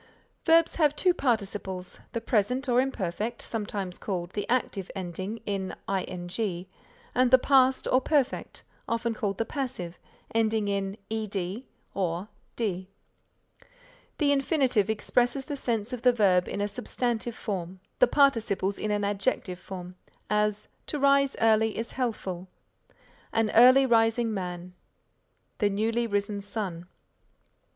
Verbs have two participles, the present or imperfect, sometimes called the active ending in ing and the past or perfect, often called the passive, ending in ed or d. The infinitive expresses the sense of the verb in a substantive form, the participles in an adjective form; as "To rise early is healthful." "An early rising man." "The newly risen sun."